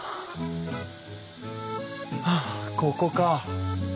はあここか。